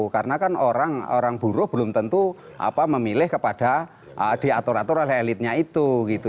karena kan orang buruh belum tentu memilih kepada diatur atur oleh elitnya itu